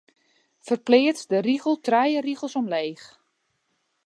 Ferpleats de rigel trije rigels omleech.